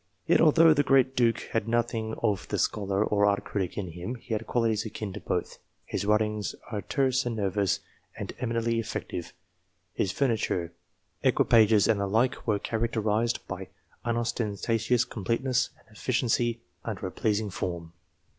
Yet, although the great Duke had nothing of the scholar or art critic in him, he had qualities akin to both. His writings are terse and nervous, and eminently effective. His furniture, equipages, and the like were characterised by unostentatious completeness and efficiency under a pleasing form.